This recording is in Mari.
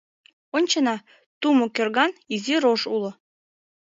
Ончена: тумо кӧрган, изи рож уло...